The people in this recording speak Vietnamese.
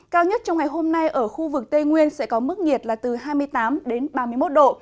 cao nhất trong ngày hôm nay ở khu vực tây nguyên sẽ có mức nhiệt là từ hai mươi tám đến ba mươi một độ